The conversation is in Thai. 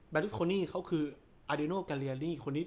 บารุสโคนี่เขาคืออาเดโนกาเรียล